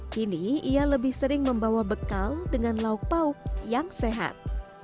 kini ia lebih sering membawa bekal dengan lauk pauk yang sehat